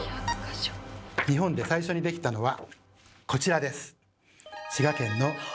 日本で最初に出来たのはこちらです！